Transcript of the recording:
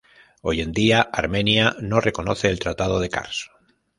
Hoy en día, Armenia no reconoce el tratado de Kars.